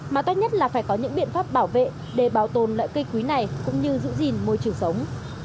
mà tốt nhất là phải có những biện pháp bảo vệ để bảo tồn loại cây quý này cũng như giữ gìn môi trường sống